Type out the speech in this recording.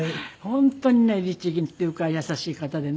本当にね律儀っていうか優しい方でね。